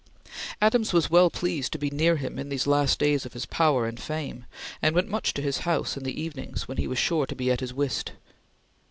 Adams was well pleased to be near him in these last days of his power and fame, and went much to his house in the evenings when he was sure to be at his whist.